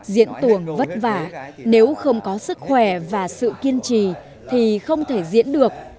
diễn tuồng vất vả nếu không có sức khỏe và sự kiên trì thì không thể diễn được